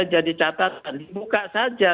jadi catatan dibuka saja